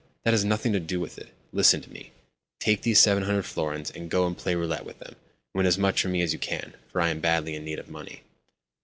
"That has nothing to do with it. Listen to me. Take these 700 florins, and go and play roulette with them. Win as much for me as you can, for I am badly in need of money."